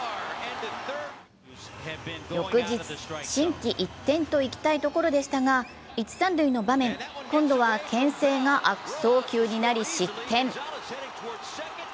翌日、心機一転といきたいところでしたが、一・三塁の場面、今度はけん制が悪送球になり失点。